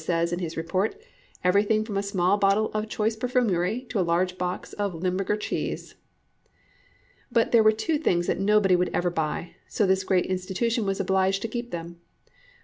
says in his report, "everything from a small bottle of choice perfumery to a large box of Limburger cheese." But there were two things that nobody would ever buy, so this great institution was obliged to keep them.